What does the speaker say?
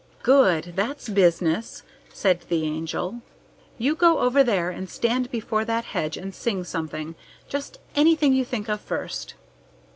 "Good! That's business!" said the Angel. "You go over there and stand before that hedge and sing something. Just anything you think of first."